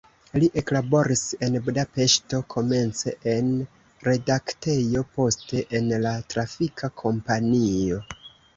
Li eklaboris en Budapeŝto komence en redaktejo, poste en la trafika kompanio.